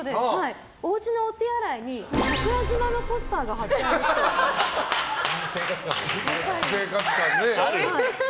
おうちのお手洗いに桜島のポスターが生活感ね。